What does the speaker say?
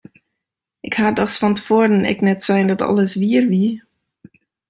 Ik ha dochs fan te foaren ek net sein dat alles wier wie!